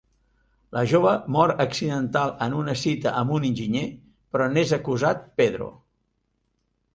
La jove mor accidental en una cita amb un enginyer però n'és acusat Pedro.